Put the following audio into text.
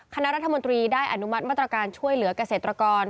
คณะรัฐมนตรีได้อนุมัติมาตรการช่วยเหลือกเกษตรกร